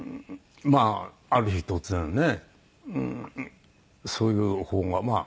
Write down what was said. まあある日突然ねそういう報がまあ。